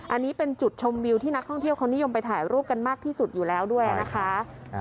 อันนี้เป็นจุดชมวิวที่นักท่องเที่ยวเขานิยมไปถ่ายรูปกันมากที่สุดอยู่แล้วด้วยนะคะ